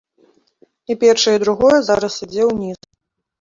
І першае, і другое зараз ідзе ўніз.